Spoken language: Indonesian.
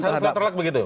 harus terlak begitu